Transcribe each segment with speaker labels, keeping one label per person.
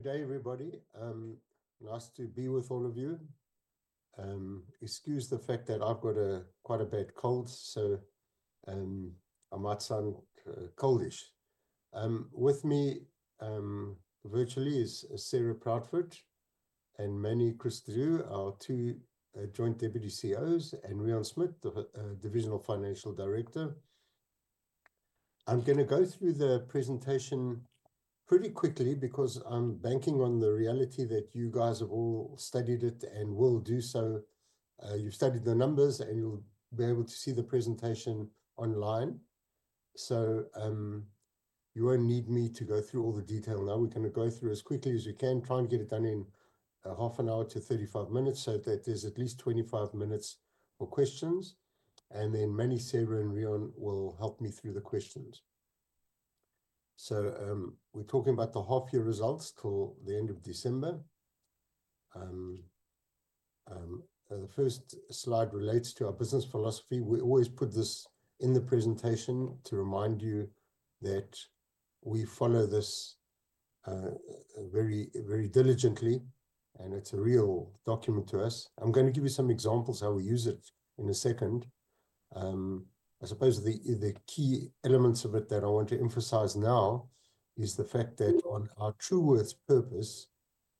Speaker 1: Good day, everybody. Nice to be with all of you. Excuse the fact that I've got quite a bad cold, so I might sound coldish. With me virtually is Sarah Proudfoot and Mannie Cristaudo, our two joint deputy CEOs, and Reon Smit, the Divisional Financial Director. I'm going to go through the presentation pretty quickly because I'm banking on the reality that you guys have all studied it and will do so. You've studied the numbers and you'll be able to see the presentation online. You won't need me to go through all the detail now. We're going to go through as quickly as we can, try and get it done in a half an hour to 35 minutes so that there's at least 25 minutes for questions. Then Mannie, Sarah, and Reon will help me through the questions. We're talking about the half-year results till the end of December. The first slide relates to our Business Philosophy. We always put this in the presentation to remind you that we follow this very, very diligently, and it's a real document to us. I'm going to give you some examples of how we use it in a second. I suppose the key elements of it that I want to emphasize now is the fact that on our Truworths purpose,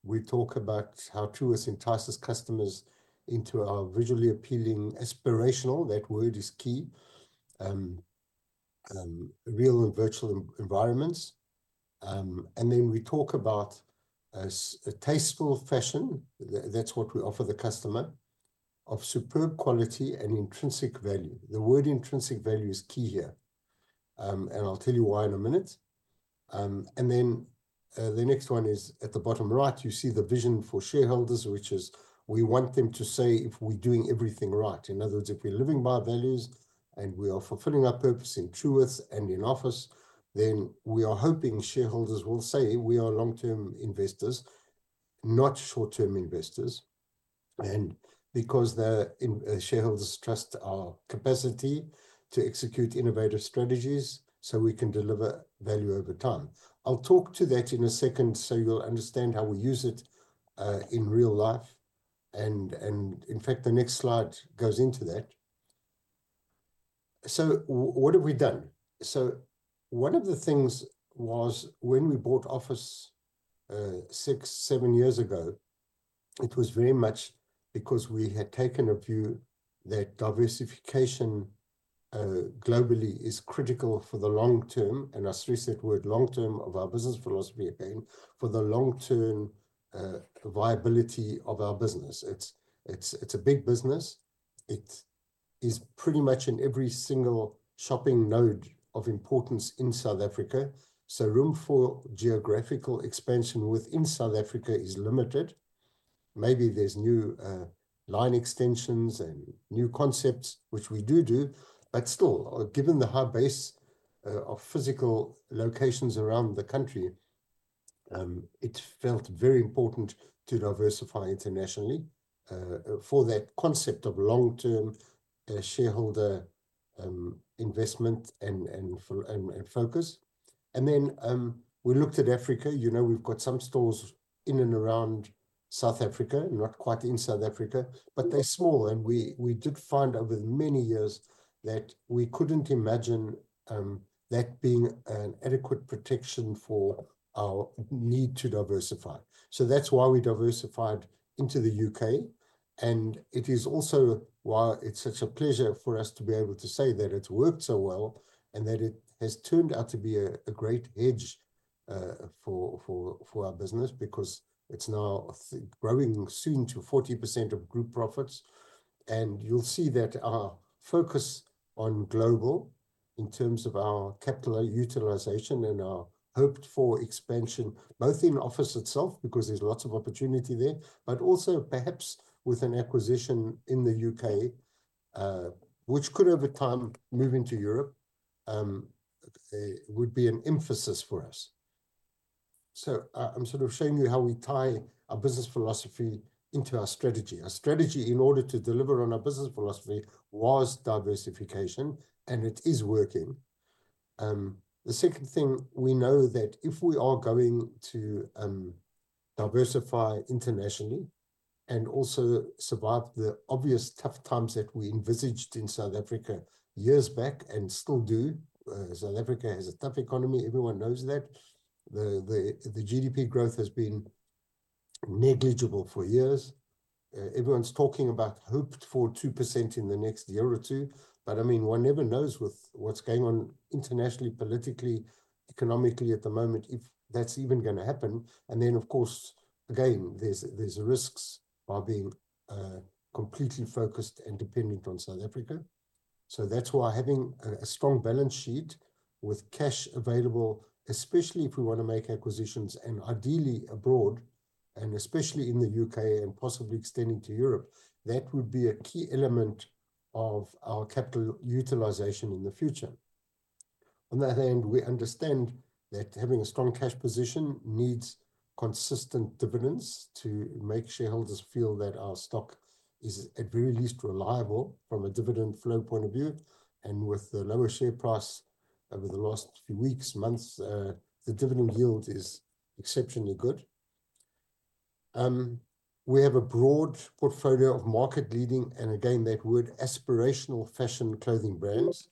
Speaker 1: we talk about how Truworths entices customers into our visually appealing, aspirational—that word is key—real and virtual environments. We talk about a tasteful fashion—that's what we offer the customer—of superb quality Intrinsic Value. the Intrinsic Value is key here. I'll tell you why in a minute. And then the next one is at the bottom right, you see the Vision for Shareholders, which is we want them to say if we're doing everything right. In other words, if we're living by our values and we are fulfilling our purpose in Truworths and in Office, then we are hoping shareholders will say we are long-term investors, not short-term investors. And because the shareholders trust our capacity to execute innovative strategies so we can deliver value over time. I'll talk to that in a second so you'll understand how we use it in real life. In fact, the next slide goes into that. So what have we done? One of the things was when we bought Office six, seven years ago, it was very much because we had taken a view that diversification globally is critical for the long term—I will stress that word long term of our Business Philosophy again—for the long term viability of our business. It is a big business. It is pretty much in every single shopping node of importance in South Africa. Room for geographical expansion within South Africa is limited. Maybe there are new line extensions and new concepts, which we do do. Still, given the high base of physical locations around the country, it felt very important to diversify internationally for that concept of long-term shareholder investment and focus. Then we looked at Africa. You know, we have some stores in and around South Africa, not quite in South Africa, but they are small. We did find over the many years that we couldn't imagine that being an adequate protection for our need to diversify. That is why we diversified into the U.K. It is also why it's such a pleasure for us to be able to say that it's worked so well and that it has turned out to be a great hedge for our business because it's now growing soon to 40% of group profits. You'll see that our focus on global in terms of our capital utilization and our hoped-for expansion, both in Office itself, because there's lots of opportunity there, but also perhaps with an acquisition in the U.K., which could over time move into Europe, would be an emphasis for us. I'm sort of showing you how we tie our Business Philosophy into our strategy. Our strategy in order to deliver on our Business Philosophy was diversification, and it is working. The second thing we know is that if we are going to diversify internationally and also survive the obvious tough times that we envisaged in South Africa years back and still do, South Africa has a tough economy. Everyone knows that. The GDP growth has been negligible for years. Everyone's talking about hoped-for 2% in the next year or two. I mean, one never knows with what's going on internationally, politically, economically at the moment, if that's even going to happen. Of course, again, there's risks by being completely focused and dependent on South Africa. That is why having a strong balance sheet with cash available, especially if we want to make acquisitions and ideally abroad, and especially in the U.K. and possibly extending to Europe, that would be a key element of our capital utilization in the future. On that end, we understand that having a strong cash position needs consistent dividends to make shareholders feel that our stock is at very least reliable from a dividend flow point of view. With the lower share price over the last few weeks, months, the dividend yield is exceptionally good. We have a broad portfolio of market-leading and again, that word aspirational fashion clothing brands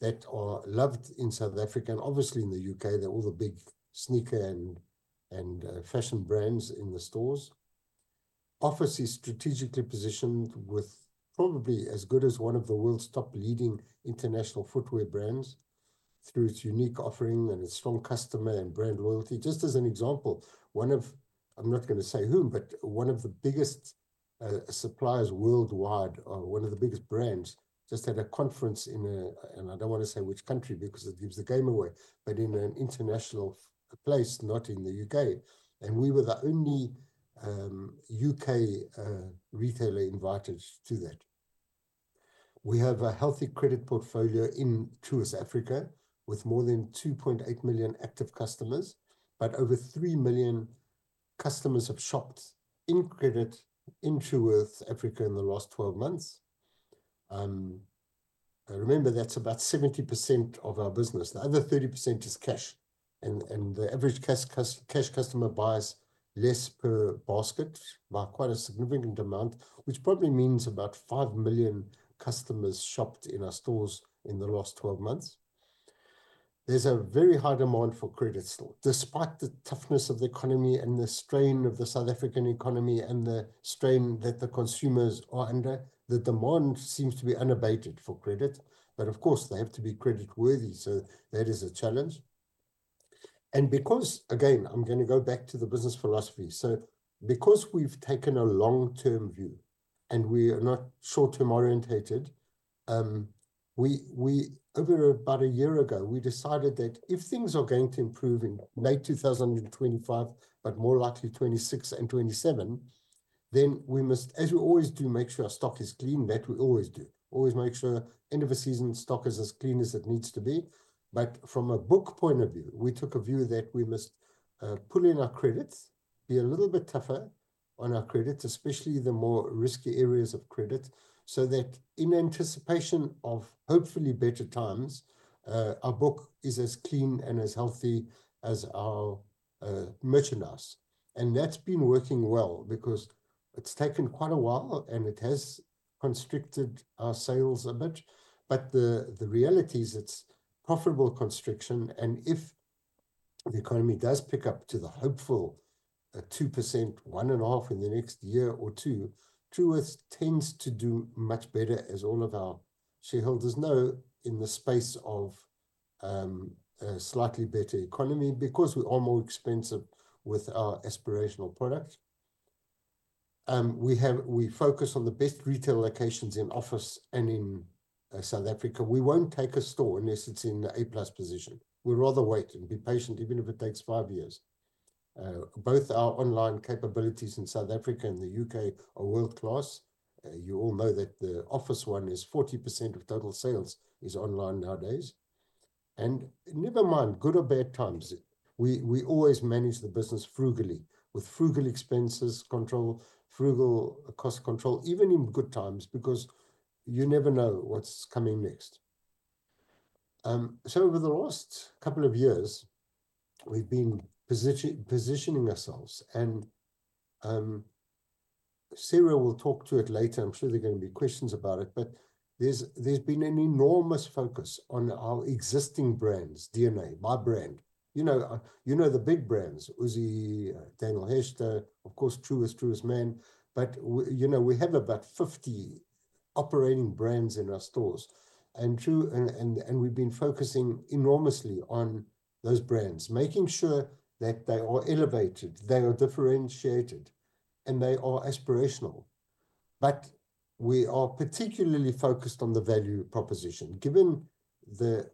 Speaker 1: that are loved in South Africa. Obviously in the U.K., there are all the big sneaker and fashion brands in the stores. Office is strategically positioned with probably as good as one of the world's top leading international footwear brands through its unique offering and its strong customer and brand loyalty. Just as an example, one of, I'm not going to say whom, but one of the biggest suppliers worldwide, or one of the biggest brands, just had a conference in a, and I don't want to say which country because it gives the game away, but in an international place, not in the U.K. We were the only U.K. retailer invited to that. We have a healthy credit portfolio in Truworths Africa with more than 2.8 million active customers, but over three million customers have shopped in credit in Truworths Africa in the last 12 months. I remember that's about 70% of our business. The other 30% is cash. The average cash customer buys less per basket by quite a significant amount, which probably means about five million customers shopped in our stores in the last 12 months. There is a very high demand for credit stores. Despite the toughness of the economy and the strain of the South African economy and the strain that the consumers are under, the demand seems to be unabated for credit. Of course, they have to be creditworthy. That is a challenge. I am going to go back to the Business Philosophy. Because we have taken a long-term view and we are not short-term orientated, over about a year ago, we decided that if things are going to improve in late 2025, but more likely 2026 and 2027, then we must, as we always do, make sure our stock is clean. That we always do. Always make sure end of the season stock is as clean as it needs to be. From a book point of view, we took a view that we must pull in our credits, be a little bit tougher on our credits, especially the more risky areas of credit, so that in anticipation of hopefully better times, our book is as clean and as healthy as our merchandise. That has been working well because it has taken quite a while and it has constricted our sales a bit. The reality is it is profitable constriction. If the economy does pick up to the hopeful 2%, one and a half in the next year or two, Truworths tends to do much better, as all of our shareholders know, in the space of a slightly better economy because we are more expensive with our aspirational product. We have, we focus on the best retail locations in Office and in South Africa. We will not take a store unless it is in the A-plus position. We would rather wait and be patient, even if it takes five years. Both our online capabilities in South Africa and the U.K. are world-class. You all know that the Office one is 40% of total sales is online nowadays. Never mind good or bad times. We always manage the business frugally with frugal expenses control, frugal cost control, even in good times, because you never know what is coming next. Over the last couple of years, we have been positioning ourselves. Sarah will talk to it later. I am sure there are going to be questions about it. There has been an enormous focus on our existing brands, DNA, my brand. You know, you know the big brands, Uzzi, Daniel Hechter, of course, Truworths, Truworths Man. You know, we have about 50 operating brands in our stores. We have been focusing enormously on those brands, making sure that they are elevated, they are differentiated, and they are aspirational. We are particularly focused on the value proposition. Given the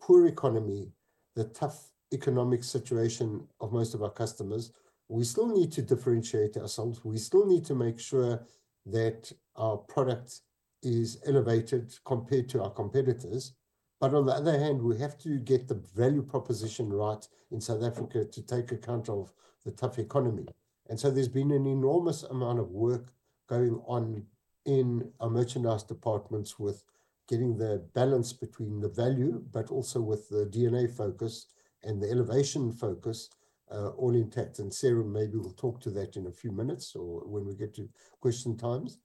Speaker 1: poor economy, the tough economic situation of most of our customers, we still need to differentiate ourselves. We still need to make sure that our product is elevated compared to our competitors. On the other hand, we have to get the value proposition right in South Africa to take account of the tough economy. There has been an enormous amount of work going on in our merchandise departments with getting the balance between the value, but also with the DNA focus and the elevation focus, all intact. Sarah maybe will talk to that in a few minutes or when we get to question times.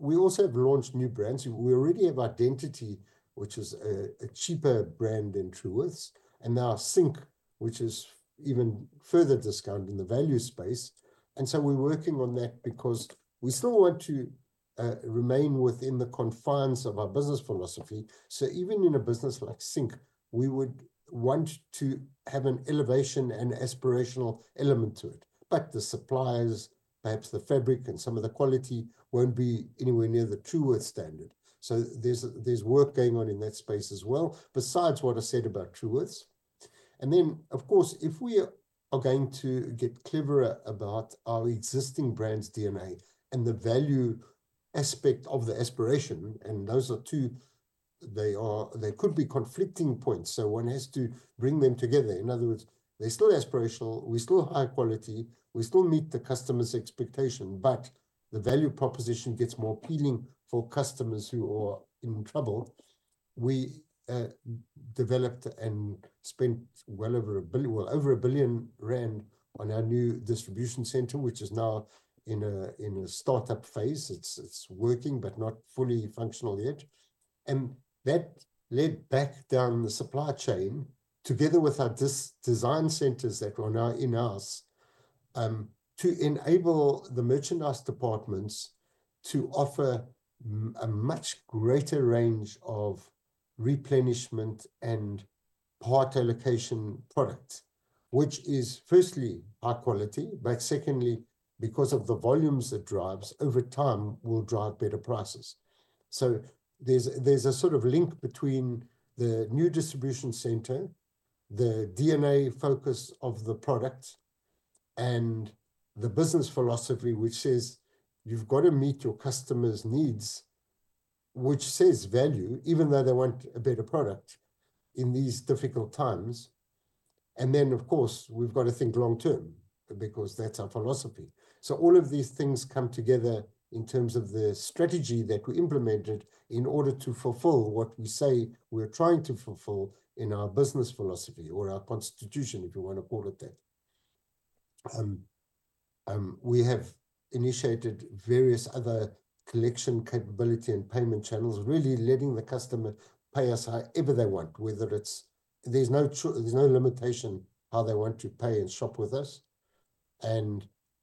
Speaker 1: We also have launched new brands. We already have Identity, which is a cheaper brand than Truworths, and now Sync, which is even further discount in the value space. We are working on that because we still want to remain within the confines of our Business Philosophy. Even in a business like Sync, we would want to have an elevation and aspirational element to it. The suppliers, perhaps the fabric and some of the quality, will not be anywhere near the Truworths standard. There is work going on in that space as well, besides what I said about Truworths. Of course, if we are going to get cleverer about our existing brand's DNA and the value aspect of the aspiration, those are two, they are, they could be conflicting points. One has to bring them together. In other words, they are still aspirational. We are still high quality. We still meet the customer's expectation, but the value proposition gets more appealing for customers who are in trouble. We developed and spent well over 1 billion, well over 1 billion rand on our new distribution center, which is now in a startup phase. It is working, but not fully functional yet. That led back down the supply chain together with our design centres that are now in-house, to enable the merchandise departments to offer a much greater range of replenishment and part allocation products, which is firstly high quality, but secondly, because of the volumes it drives over time, will drive better prices. There is a sort of link between the new distribution center, the DNA focus of the product, and the Business Philosophy, which says you have got to meet your customer's needs, which says value, even though they want a better product in these difficult times. Of course, we have got to think long term because that is our philosophy. All of these things come together in terms of the strategy that we implemented in order to fulfill what we say we're trying to fulfill in our Business Philosophy or our constitution, if you want to call it that. We have initiated various other collection capability and payment channels, really letting the customer pay us however they want, whether it's, there's no choice, there's no limitation how they want to pay and shop with us.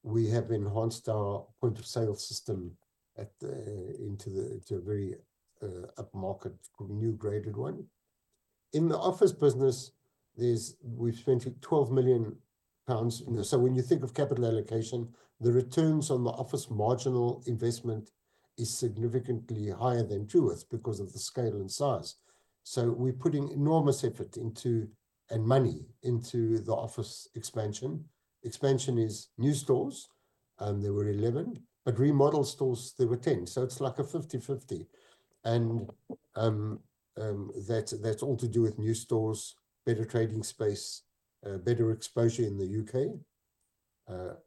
Speaker 1: We have enhanced our point of sale system at the, into the, into a very upmarket new graded one. In the Office business, we've spent 12 million pounds. When you think of capital allocation, the returns on the Office marginal investment is significantly higher than Truworths because of the scale and size. We're putting enormous effort into and money into the Office expansion. Expansion is new stores. There were 11, but remodeled stores, there were 10. It is like a 50-50. That is all to do with new stores, better trading space, better exposure in the U.K.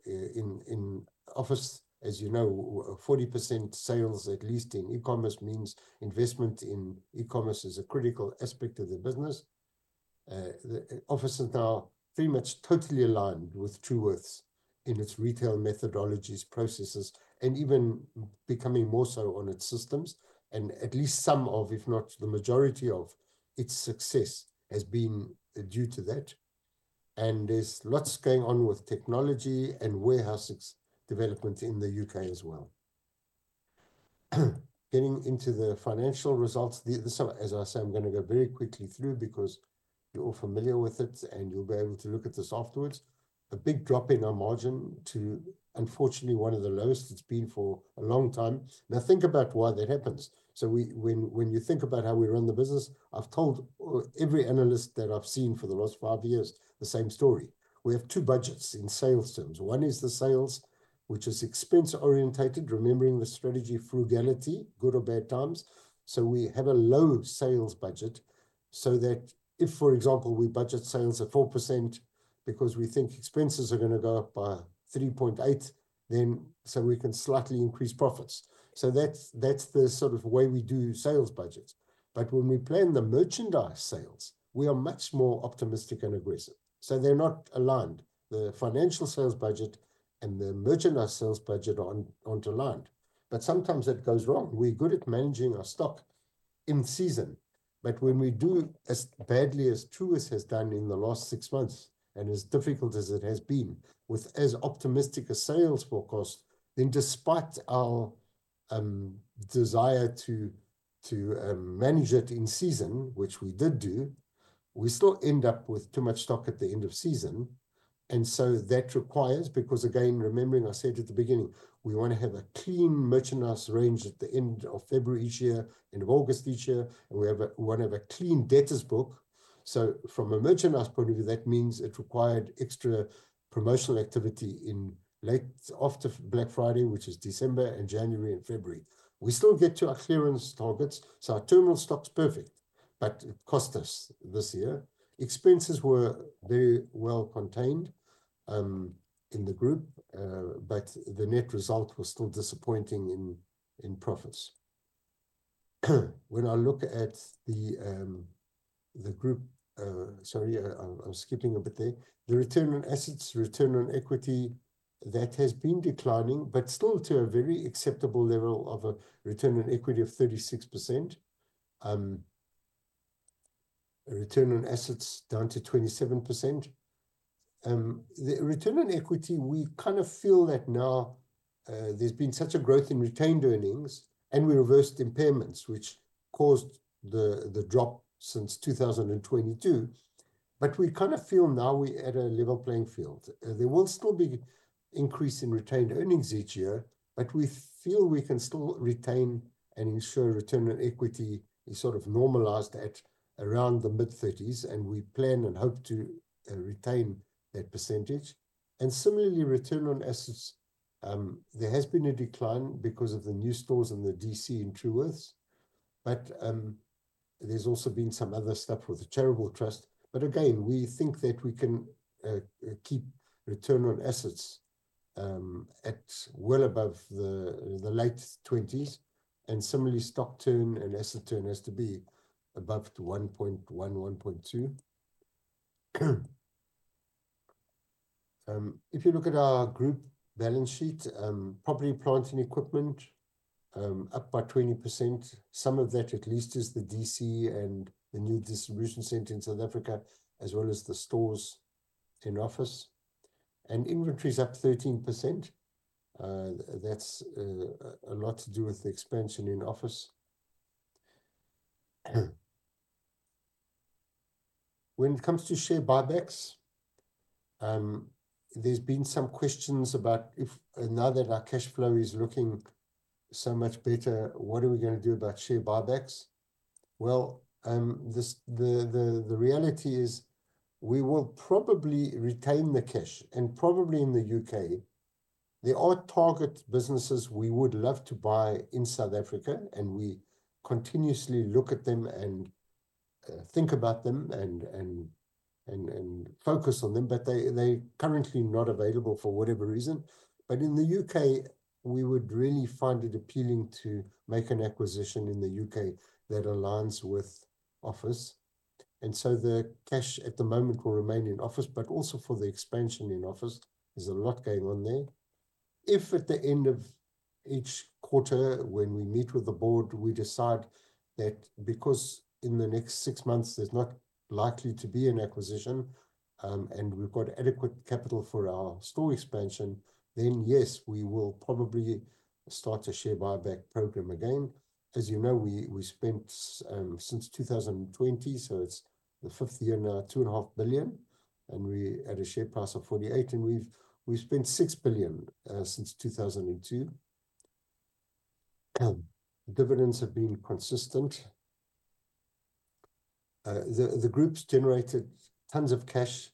Speaker 1: In Office, as you know, 40% sales at least in e-commerce means investment in e-commerce is a critical aspect of the business. Office is now pretty much totally aligned with Truworths in its retail methodologies, processes, and even becoming more so on its systems. At least some of, if not the majority of, its success has been due to that. There is lots going on with technology and warehouse development in the U.K. as well. Getting into the financial results, as I say, I am going to go very quickly through because you are all familiar with it and you will be able to look at this afterwards. A big drop in our margin to, unfortunately, one of the lowest it's been for a long time. Now think about why that happens. When you think about how we run the business, I've told every analyst that I've seen for the last five years the same story. We have two budgets in sales terms. One is the sales, which is expense orientated, remembering the strategy frugality, good or bad times. We have a low sales budget so that if, for example, we budget sales at 4% because we think expenses are going to go up by 3.8%, then we can slightly increase profits. That's the sort of way we do sales budgets. When we plan the merchandise sales, we are much more optimistic and aggressive. They're not aligned. The financial sales budget and the merchandise sales budget aren't aligned. Sometimes it goes wrong. We're good at managing our stock in season, but when we do as badly as Truworths has done in the last six months and as difficult as it has been with as optimistic a sales forecast, despite our desire to manage it in season, which we did do, we still end up with too much stock at the end of season. That requires, because again, remembering I said at the beginning, we want to have a clean merchandise range at the end of February each year, end of August each year, and we want to have a clean debtors book. From a merchandise point of view, that means it required extra promotional activity in late after Black Friday, which is December and January and February. We still get to our clearance targets. Our terminal stock's perfect, but it cost us this year. Expenses were very well contained in the group, but the net result was still disappointing in profits. When I look at the group, sorry, I'm skipping a bit there. The return on assets, return on equity, that has been declining, but still to a very acceptable level of a return on equity of 36%. Return on assets down to 27%. The return on equity, we kind of feel that now there's been such a growth in retained earnings and we reversed impairments, which caused the drop since 2022. We kind of feel now we're at a level playing field. There will still be increase in retained earnings each year, but we feel we can still retain and ensure return on equity is sort of normalized at around the mid-30s and we plan and hope to retain that percentage. Similarly, return on assets, there has been a decline because of the new stores in the DC in Truworths. There has also been some other stuff with the charitable trust. Again, we think that we can keep return on assets at well above the late 20s. Similarly, stock turn and asset turn has to be above 1.1, 1.2. If you look at our group balance sheet, property, plant and equipment up by 20%. Some of that at least is the DC and the new distribution center in South Africa, as well as the stores in Office. Inventory is up 13%. That's a lot to do with the expansion in Office. When it comes to share buybacks, there's been some questions about if now that our cash flow is looking so much better, what are we going to do about share buybacks? The reality is we will probably retain the cash and probably in the U.K., there are target businesses we would love to buy in South Africa and we continuously look at them and think about them and focus on them, but they're currently not available for whatever reason. In the U.K., we would really find it appealing to make an acquisition in the U.K. that aligns with Office. The cash at the moment will remain in Office, but also for the expansion in Office is a lot going on there. If at the end of each quarter, when we meet with the board, we decide that because in the next six months there's not likely to be an acquisition and we've got adequate capital for our store expansion, then yes, we will probably start a share buyback program again. As you know, we spent since 2020, so it's the fifth year now, 2.5 billion, and we at a share price of 48, and we've spent 6 billion since 2002. Dividends have been consistent. The group's generated tons of cash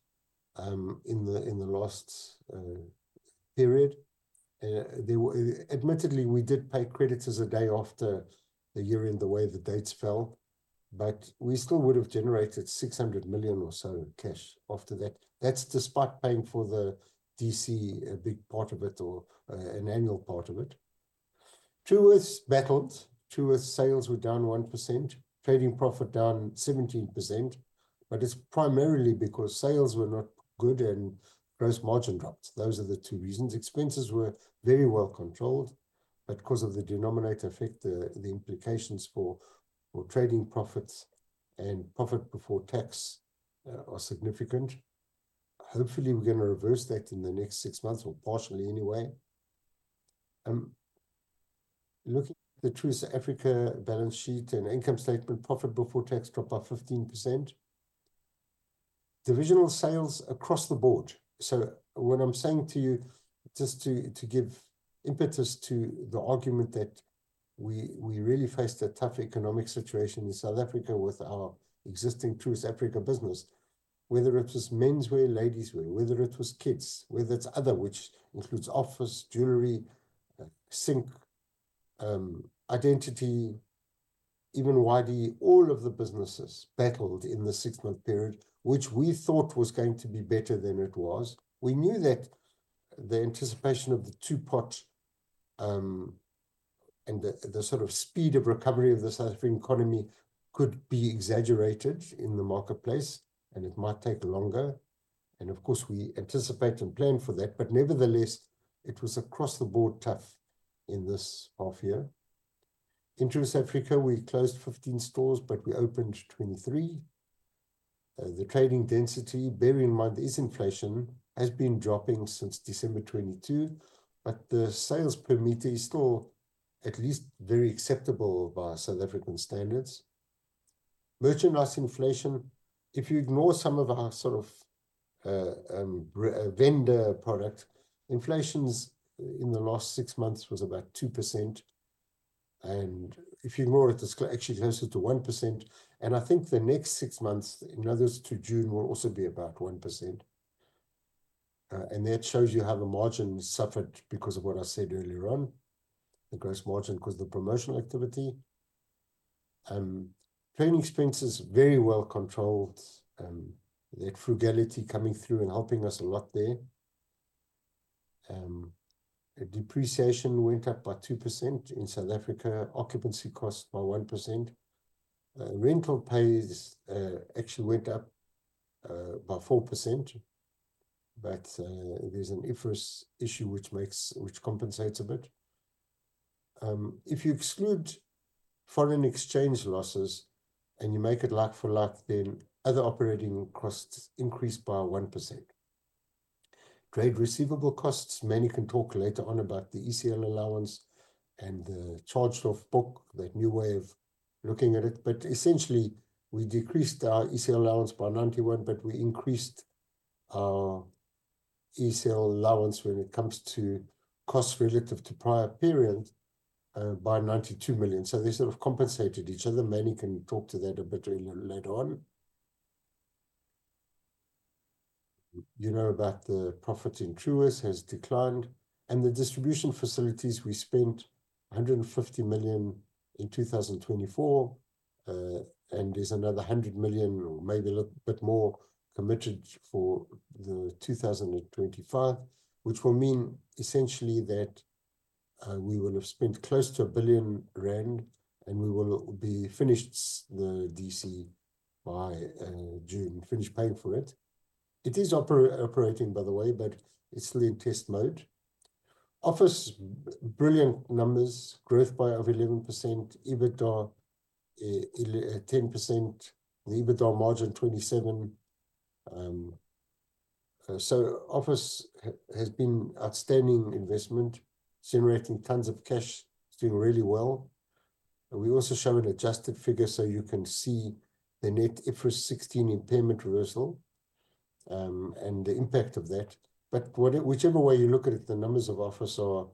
Speaker 1: in the last period. There were, admittedly, we did pay creditors a day after the year in the way the dates fell, but we still would have generated 600 million or so cash after that. That's despite paying for the DC, a big part of it or an annual part of it. Truworths battled. Truworths sales were down 1%, trading profit down 17%, but it's primarily because sales were not good and gross margin dropped. Those are the two reasons. Expenses were very well controlled, but because of the denominator effect, the implications for trading profits and profit before tax are significant. Hopefully, we're going to reverse that in the next six months or partially anyway. Looking at the Truworths Africa balance sheet and income statement, profit before tax dropped by 15%. Divisional sales across the board. What I'm saying to you, just to give impetus to the argument that we really faced a tough economic situation in South Africa with our existing Truworths Africa business, whether it was menswear, ladies' wear, whether it was kids, whether it's other, which includes Office, jewelry, Sync, Identity, even YDE, all of the businesses battled in the six-month period, which we thought was going to be better than it was. We knew that the anticipation of the Two-Pot System and the sort of speed of recovery of the South African economy could be exaggerated in the marketplace and it might take longer. Of course, we anticipate and plan for that, but nevertheless, it was across the board tough in this half year. In Truworths Africa, we closed 15 stores, but we opened 23. The trading density, bear in mind, there is inflation, has been dropping since December 2022, but the sales per meter is still at least very acceptable by South African standards. Merchandise inflation, if you ignore some of our sort of vendor product, inflations in the last six months was about 2%. If you ignore it, it's actually closer to 1%. I think the next six months, in others to June, will also be about 1%. That shows you how the margin suffered because of what I said earlier on, the gross margin because of the promotional activity. Training expenses very well controlled, that frugality coming through and helping us a lot there. Depreciation went up by 2% in South Africa, occupancy cost by 1%. Rental pays actually went up by 4%, but there's an IFRS 16 issue which makes which compensates a bit. If you exclude foreign exchange losses and you make it like-for-like, then other operating costs increased by 1%. Trade receivable costs, Mannie can talk later on about the ECL allowance and the charge-off book, that new way of looking at it. Essentially, we decreased our ECL allowance by 91, but we increased our ECL allowance when it comes to costs relative to prior period by 92 million. They sort of compensated each other. Mannie can talk to that a bit later on. You know about the profit in Truworths has declined. The distribution facilities, we spent 150 million in 2024. There is another 100 million or maybe a little bit more committed for 2025, which will mean essentially that we will have spent close to 1 billion rand and we will be finished the DC by June, finished paying for it. It is operating, by the way, but it's still in test mode. Office, brilliant numbers, growth by over 11%, EBITDA 10%, the EBITDA margin 27%. Office has been outstanding investment, generating tons of cash, doing really well. We also show an adjusted figure so you can see the net IFRS 16 impairment reversal and the impact of that. Whichever way you look at it, the numbers of Office are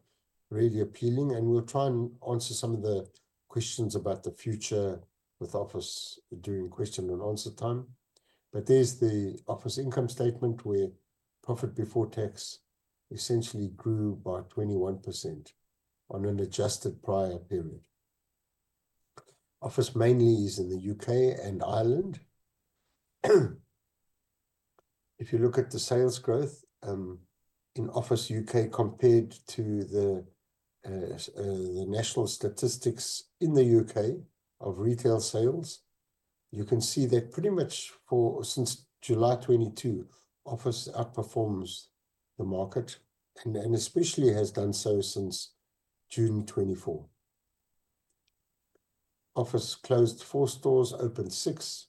Speaker 1: really appealing. We will try and answer some of the questions about the future with Office during question and answer time. There is the Office income statement where profit before tax essentially grew by 21% on an adjusted prior period. Office mainly is in the U.K. and Ireland. If you look at the sales growth in Office U.K. compared to the national statistics in the U.K. of retail sales, you can see that pretty much for since July 2022, Office outperforms the market and especially has done so since June 2024. Office closed four stores, opened six.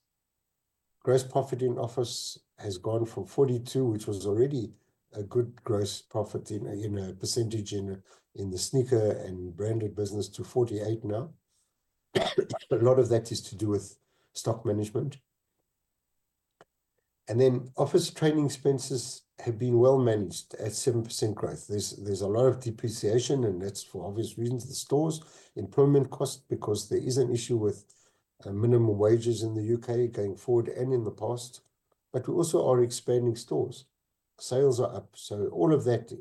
Speaker 1: Gross profit in Office has gone from 42, which was already a good gross profit in a percentage in the sneaker and branded business, to 48 now. A lot of that is to do with stock management. Office training expenses have been well managed at 7% growth. There is a lot of depreciation and that is for obvious reasons, the stores, employment costs because there is an issue with minimum wages in the U.K. going forward and in the past. We also are expanding stores. Sales are up. All of that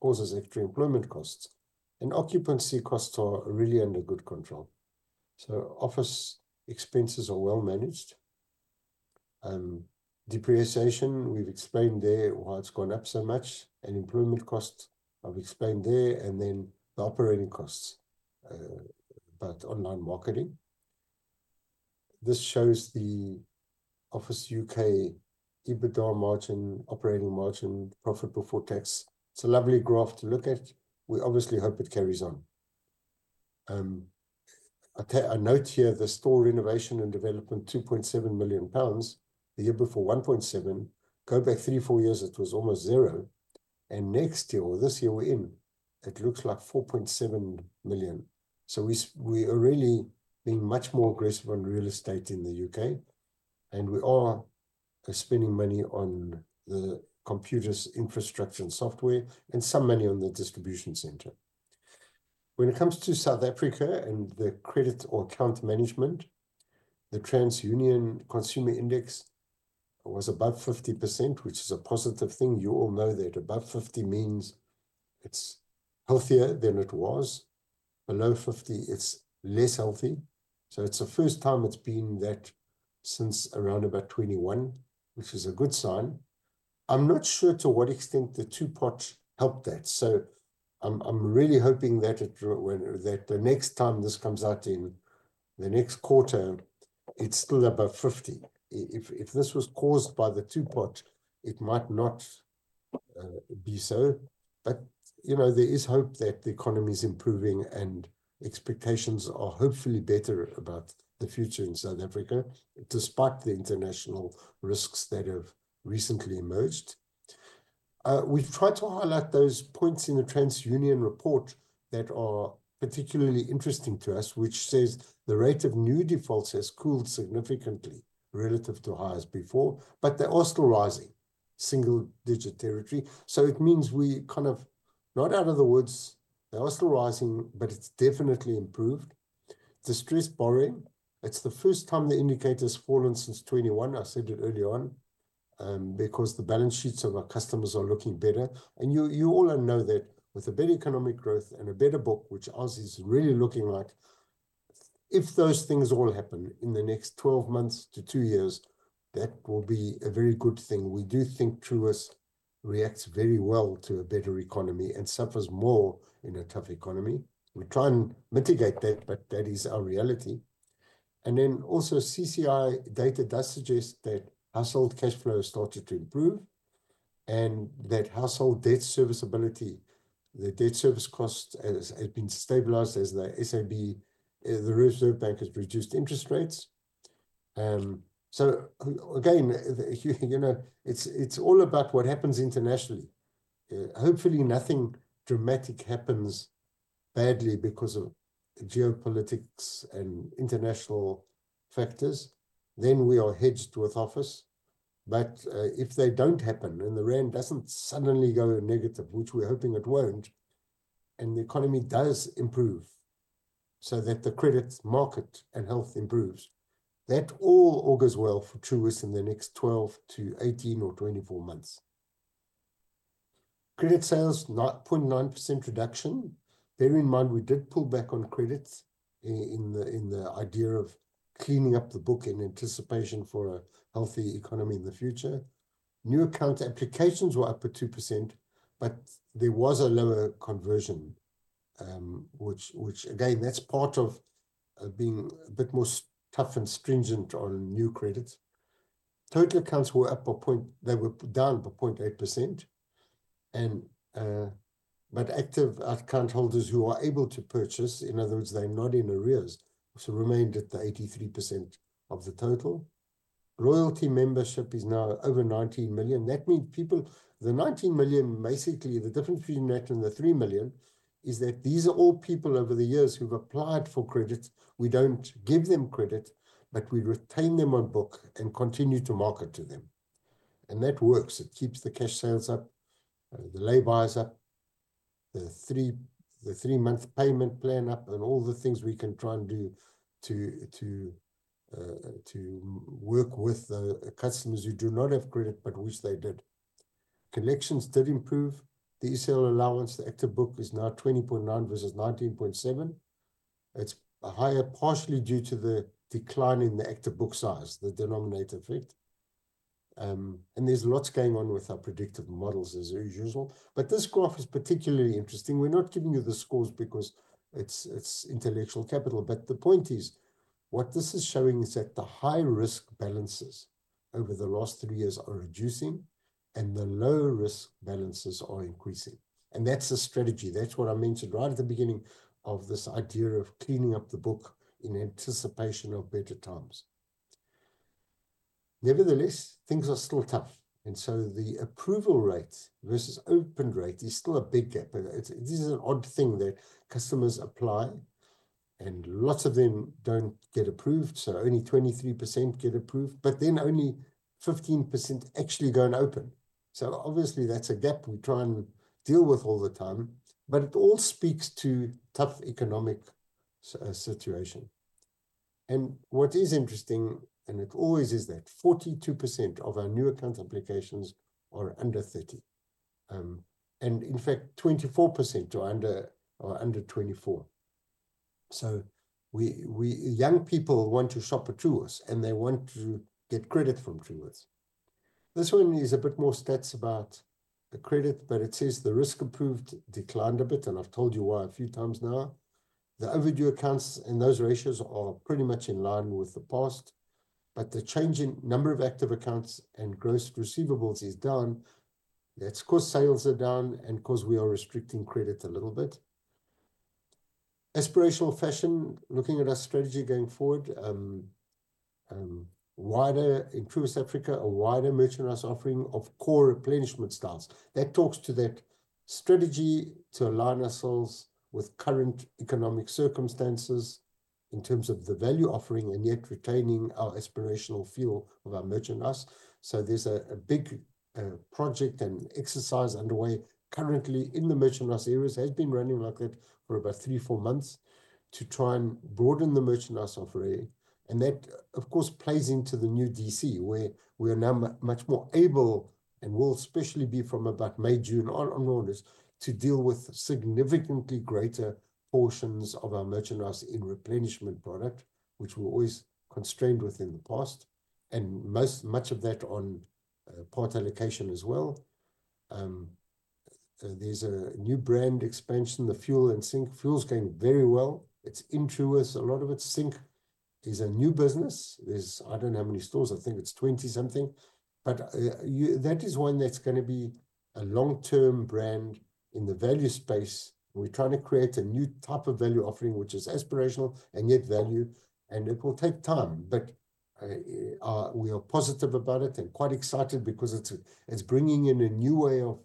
Speaker 1: causes extra employment costs. Occupancy costs are really under good control. Office expenses are well managed. Depreciation, we've explained there why it's gone up so much. Employment costs, I've explained there. The operating costs, but online marketing. This shows the Office U.K. EBITDA margin, operating margin, profit before tax. It's a lovely graph to look at. We obviously hope it carries on. A note here, the store renovation and development, 2.7 million pounds, the year before 1.7 million. Go back three, four years, it was almost zero. Next year, or this year we're in, it looks like 4.7 million. We are really being much more aggressive on real estate in the U.K. We are spending money on the computers, infrastructure and software, and some money on the distribution center. When it comes to South Africa and the credit or account management, the TransUnion Consumer Index was above 50%, which is a positive thing. You all know that above 50% means it's healthier than it was. Below 50%, it's less healthy. It is the first time it's been that since around about 2021, which is a good sign. I'm not sure to what extent the Two-Pot helped that. I am really hoping that when the next time this comes out in the next quarter, it's still above 50%. If this was caused by the Two-Pot, it might not be so. You know there is hope that the economy is improving and expectations are hopefully better about the future in South Africa, despite the international risks that have recently emerged. We've tried to highlight those points in the TransUnion report that are particularly interesting to us, which says the rate of new defaults has cooled significantly relative to highs before, but they are still rising, single-digit territory. It means we are kind of not out of the woods, they are still rising, but it's definitely improved. Distressed borrowing, it's the first time the indicator has fallen since 2021, I said it early on, because the balance sheets of our customers are looking better. You all know that with better economic growth and a better book, which ours is really looking like, if those things all happen in the next 12 months to two years, that will be a very good thing. We do think Truworths reacts very well to a better economy and suffers more in a tough economy. We try and mitigate that, but that is our reality. Also, CCI data does suggest that household cash flow has started to improve and that household debt serviceability, the debt service costs, have been stabilized as the SARB, the Reserve Bank, has reduced interest rates. Again, you know it's all about what happens internationally. Hopefully, nothing dramatic happens badly because of geopolitics and international factors. We are hedged with Office. If they do not happen and the rand does not suddenly go negative, which we are hoping it will not, and the economy does improve so that the credit market and health improves, that all augurs well for Truworths in the next 12-18 or 24 months. Credit sales, 0.9% reduction. Bear in mind we did pull back on credits in the idea of cleaning up the book in anticipation for a healthy economy in the future. New account applications were up at 2%, but there was a lower conversion, which again, that's part of being a bit more tough and stringent on new credits. Total accounts were down by 0.8%. Active account holders who are able to purchase, in other words, they're not in arrears, remained at the 83% of the total. Loyalty membership is now over 19 million. That means people, the 19 million, basically the difference between that and the three million is that these are all people over the years who've applied for credits. We don't give them credit, but we retain them on book and continue to market to them. That works. It keeps the cash sales up, the lay-by is up, the three-month payment plan up, and all the things we can try and do to work with the customers who do not have credit but wish they did. Collections did improve. The ECL allowance, the active book is now 20.9 versus 19.7. It's higher partially due to the decline in the active book size, the denominator effect. There is lots going on with our predictive models as usual. This graph is particularly interesting. We are not giving you the scores because it is intellectual capital. The point is what this is showing is that the high-risk balances over the last three years are reducing and the low-risk balances are increasing. That is a strategy. That is what I mentioned right at the beginning of this idea of cleaning up the book in anticipation of better times. Nevertheless, things are still tough. The approval rate versus open rate is still a big gap. This is an odd thing that customers apply and lots of them do not get approved. Only 23% get approved, but then only 15% actually go and open. Obviously, that is a gap we try and deal with all the time. It all speaks to tough economic situation. What is interesting, and it always is, is that 42% of our new account applications are under 30. In fact, 24% are under 24. We young people want to shop at Truworths and they want to get credit from Truworths. This one is a bit more stats about the credit, but it says the risk approved declined a bit. I have told you why a few times now. The overdue accounts and those ratios are pretty much in line with the past, but the change in number of active accounts and gross receivables is down. That's because sales are down and because we are restricting credit a little bit. Aspirational fashion, looking at our strategy going forward, wider in Truworths Africa, a wider merchandise offering of core replenishment styles. That talks to that strategy to align ourselves with current economic circumstances in terms of the value offering and yet retaining our aspirational fuel of our merchandise. There is a big project and exercise underway currently in the merchandise areas. It has been running like that for about three, four months to try and broaden the merchandise offering. That, of course, plays into the new DC where we are now much more able and will especially be from about May, June onwards to deal with significantly greater portions of our merchandise in replenishment product, which we were always constrained with in the past. Most of that is on part allocation as well. There is a new brand expansion, the Fuel and Sync. Fuze's going very well. It is in Truworths. A lot of it. Sync is a new business. There is, I do not know how many stores. I think it is 20 something. That is one that is going to be a long-term brand in the value space. We are trying to create a new type of value offering, which is aspirational and yet value. It will take time. We are positive about it and quite excited because it's bringing in a new way of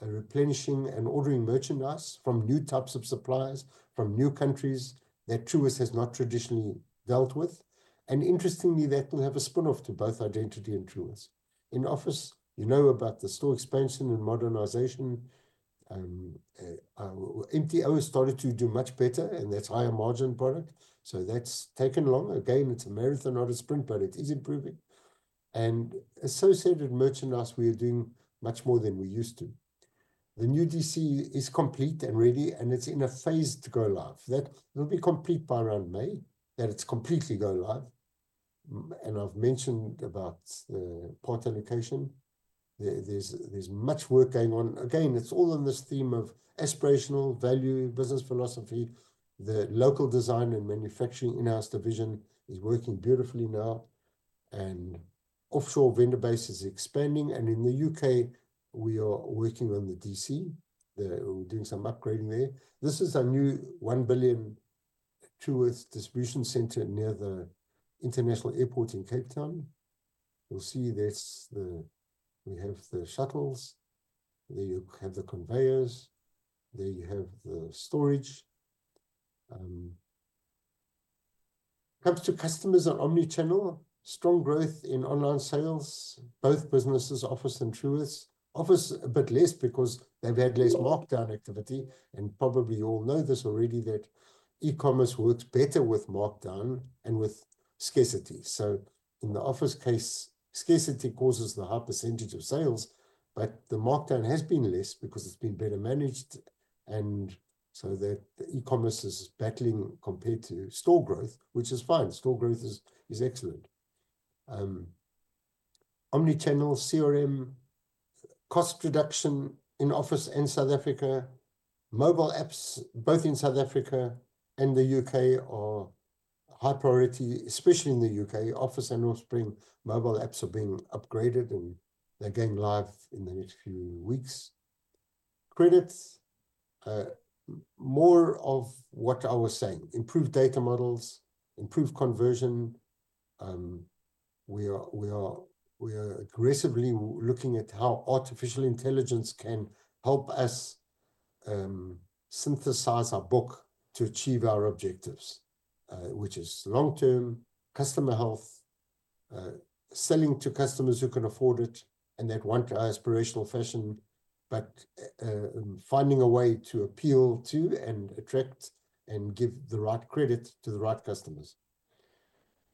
Speaker 1: replenishing and ordering merchandise from new types of suppliers, from new countries that Truworths has not traditionally dealt with. Interestingly, that will have a spinoff to both Identity and Truworths. In Office, you know about the store expansion and modernization. MTO has started to do much better and that's higher margin product. That's taken long. Again, it's a marathon, not a sprint, but it is improving. Associated merchandise, we are doing much more than we used to. The new DC is complete and ready and it's in a phase to go live. That will be complete by around May, that it's completely go live. I've mentioned about the part allocation. There's much work going on. Again, it's all in this theme of aspirational value, Business Philosophy. The local design and manufacturing in-house division is working beautifully now. The offshore vendor base is expanding. In the U.K., we are working on the DC. We're doing some upgrading there. This is our new 1 billion Truworths distribution center near the international airport in Cape Town. You'll see that we have the shuttles. There you have the conveyors. There you have the storage. Comes to customers on Omnichannel, strong growth in online sales, both businesses, Office and Truworths. Office a bit less because they've had less markdown activity. You probably all know this already, that e-commerce works better with markdown and with scarcity. In the Office case, scarcity causes the high percentage of sales, but the markdown has been less because it's been better managed. E-commerce is battling compared to store growth, which is fine. Store growth is excellent. Omnichannel CRM cost reduction in Office and South Africa. Mobile apps, both in South Africa and the U.K., are high priority, especially in the U.K. Office and Offspring mobile apps are being upgraded and they are going live in the next few weeks. Credits, more of what I was saying, improved data models, improved conversion. We are aggressively looking at how artificial intelligence can help us synthesize our book to achieve our objectives, which is long-term customer health, selling to customers who can afford it and that want our aspirational fashion, but finding a way to appeal to and attract and give the right credit to the right customers.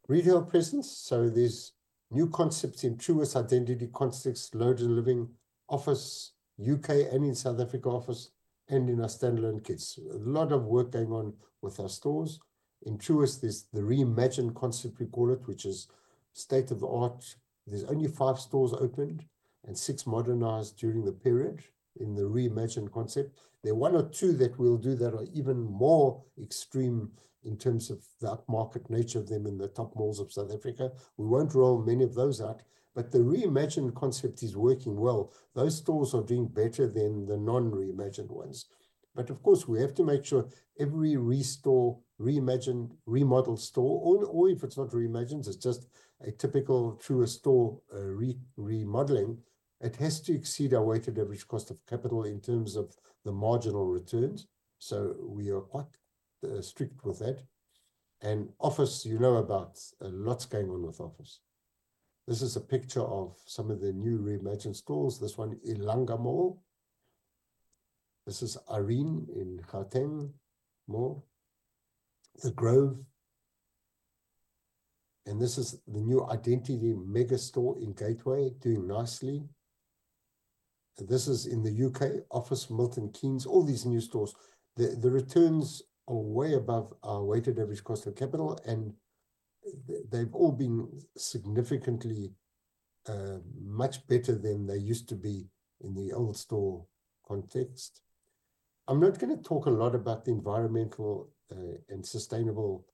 Speaker 1: Retail presence, so there's new concepts in Truworths, Identity, Context, Loaded Living, Office, U.K., and in South Africa Office and in our standalone kids. A lot of work going on with our stores. In Truworths, there's the reimagined concept we call it, which is state of the art. There's only five stores opened and six modernized during the period in the reimagined concept. There are one or two that will do that are even more extreme in terms of the upmarket nature of them in the top malls of South Africa. We won't roll many of those out, but the reimagined concept is working well. Those stores are doing better than the non-reimagined ones. Of course, we have to make sure every restore, reimagined, remodeled store, or if it's not reimagined, it's just a typical Truworths store remodeling, it has to exceed our weighted average cost of capital in terms of the marginal returns. We are quite strict with that. And Office, you know about lots going on with Office. This is a picture of some of the new reimagined stores. This one, I'langa Mall. This is Irene in Gauteng, Mall, The Grove. This is the new Identity Mega Store in Gateway, doing nicely. This is in the U.K., Office, Milton Keynes, all these new stores. The returns are way above our weighted average cost of capital, and they've all been significantly much better than they used to be in the old store context. I'm not going to talk a lot about the environmental and sustainable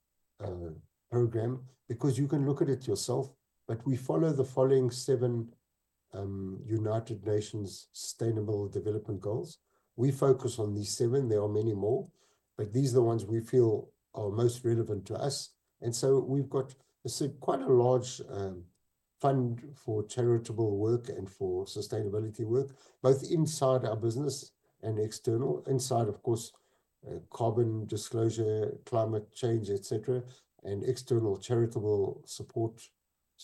Speaker 1: program because you can look at it yourself, but we follow the following seven United Nations Sustainable Development Goals. We focus on these seven. There are many more, but these are the ones we feel are most relevant to us. We've got quite a large fund for charitable work and for sustainability work, both inside our business and external. Inside, of course, carbon disclosure, climate change, et cetera, and external charitable support.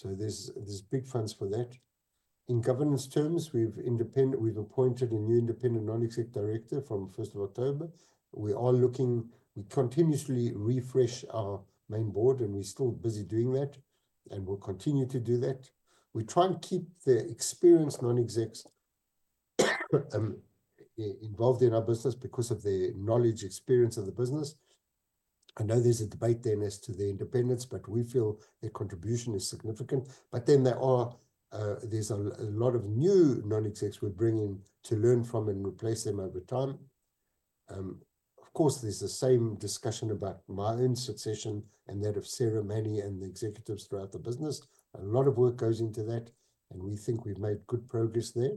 Speaker 1: There's big funds for that. In governance terms, we've appointed a new independent non-exec director from 1st of October. We are looking, we continuously refresh our main board, and we're still busy doing that, and we'll continue to do that. We try and keep the experienced non-execs involved in our business because of the knowledge experience of the business. I know there's a debate then as to the independents, but we feel their contribution is significant. There are a lot of new non-execs we're bringing to learn from and replace them over time. Of course, there's the same discussion about my own succession and that of Sarah, Mannie, and the executives throughout the business. A lot of work goes into that, and we think we've made good progress there.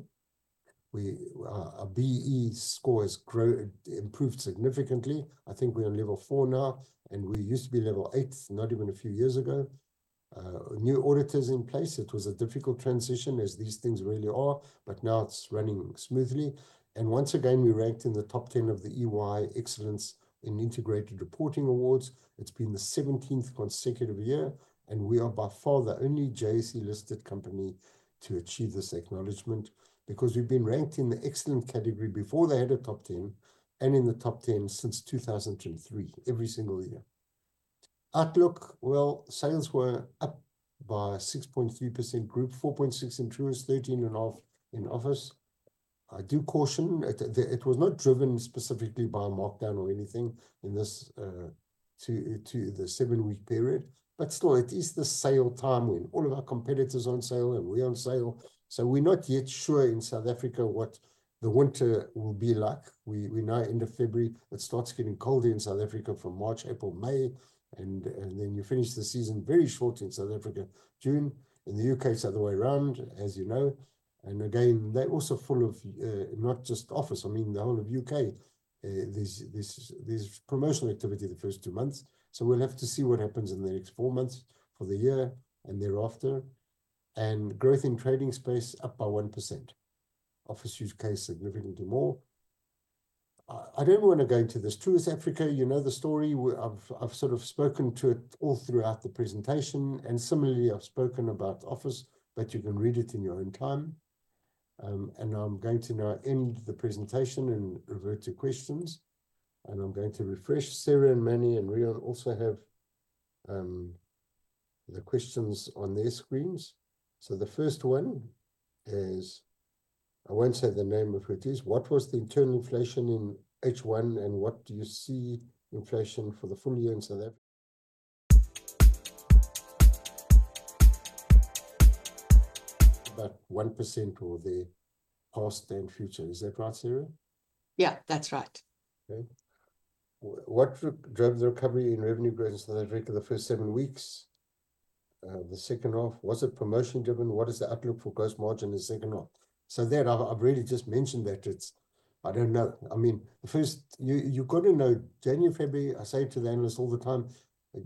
Speaker 1: Our B-BBEE Score has grown, improved significantly. I think we're on level four now, and we used to be level eight, not even a few years ago. New auditors in place. It was a difficult transition as these things really are, but now it's running smoothly. Once again, we ranked in the top 10 of the EY Excellence in Integrated Reporting Awards. It's been the 17th consecutive year, and we are by far the only JSE listed company to achieve this acknowledgement because we've been ranked in the excellent category before they had a top 10 and in the top 10 since 2003, every single year. Outlook, sales were up by 6.3% group, 4.6% in Truworths, 13.5% in Office. I do caution, it was not driven specifically by a markdown or anything in this to the seven-week period, but still at least the sale time when all of our competitors are on sale and we're on sale. We are not yet sure in South Africa what the winter will be like. We're now end of February. It starts getting colder in South Africa from March, April, May, and then you finish the season very short in South Africa, June. In the U.K., it's the other way around, as you know. Again, they're also full of not just Office, I mean the whole of U.K. There's promotional activity the first two months. We'll have to see what happens in the next four months for the year and thereafter. Growth in trading space up by 1%. Office use case significantly more. I don't want to go into this. Truworths Africa, you know the story. I've sort of spoken to it all throughout the presentation. Similarly, I've spoken about Office, but you can read it in your own time. I'm going to now end the presentation and revert to questions. I'm going to refresh Sarah and Mannie, and we also have the questions on their screens. The first one is, I won't say the name of what it is. What was the internal inflation in H1 and what do you see inflation for the full year in South Africa? About 1% for the past and future. Is that right, Sarah? Yeah, that's right.
Speaker 2: Okay. What drove the recovery in revenue growth in South Africa the first seven weeks? The second half, was it promotion driven? What is the outlook for gross margin in the second half? I have really just mentioned that, I don't know. I mean, the first, you've got to know January, February, I say to the analysts all the time,